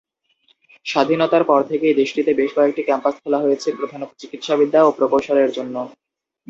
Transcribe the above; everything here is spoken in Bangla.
স্বাধীনতার পর থেকেই দেশটিতে বেশ কয়েকটি ক্যাম্পাস খোলা হয়েছে, প্রধানত চিকিৎসাবিদ্যা ও প্রকৌশলের জন্য।